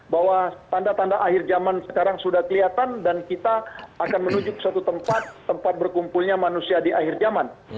bahwa tanda tanda akhir zaman sekarang sudah kelihatan dan kita akan menuju ke suatu tempat tempat berkumpulnya manusia di akhir zaman